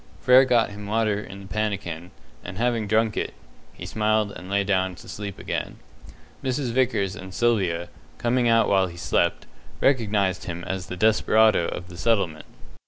Frere got him water in the pannikin, and having drunk it, he smiled and lay down to sleep again. Mrs. Vickers and Sylvia, coming out while he still slept, recognized him as the desperado of the settlement.